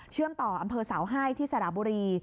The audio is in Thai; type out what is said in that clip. ต่ออำเภอเสาไห้ที่สระบุรี